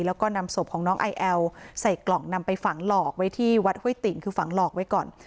แล้วก็นำศพของน้องไอแอลใส่กล่องนำไปฝังหลอกไว้ที่วัดห้วยติ่งคือฝังหลอกไว้ก่อน